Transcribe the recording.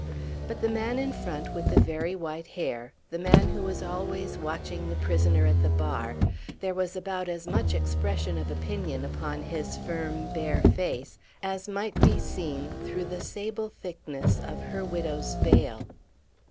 But the man in front with the very white hair the man who was always watching the prisoner at the bar there was about as much expression of opinion upon his firm, bare face as might be seen through the sable thickness of her widow's veil.